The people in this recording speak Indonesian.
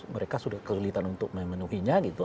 mereka sudah kesulitan untuk memenuhinya gitu